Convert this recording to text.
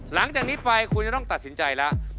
หลังจากนี้ไปคุณจะต้องตัดสินใจแล้ว